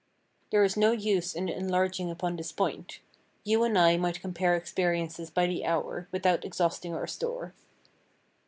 There is no use in enlarging upon this point. You and I might compare experiences by the hour without exhausting our store.